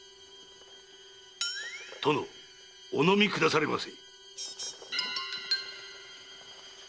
殿お飲みくだされませ。